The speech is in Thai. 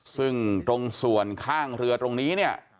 ซึ่งตรงส่วนข้างเรือตรงนี้เนี่ย